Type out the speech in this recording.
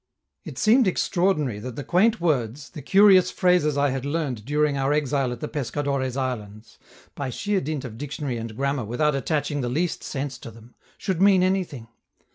It seemed extraordinary that the quaint words, the curious phrases I had learned during our exile at the Pescadores Islands by sheer dint of dictionary and grammar, without attaching the least sense to them should mean anything.